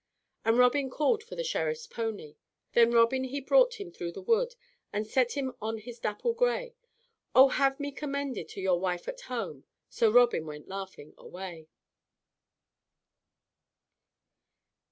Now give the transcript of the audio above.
And Robin called for the Sheriff's pony. "Then Robin he brought him through the wood, And set him on his dapple gray: Oh, have me commended to your wife at home, So Robin went laughing away."